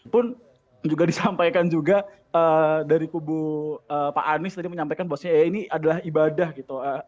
pun juga disampaikan juga dari kubu pak anies tadi menyampaikan bahwasanya ya ini adalah ibadah gitu